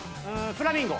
フラミンゴ。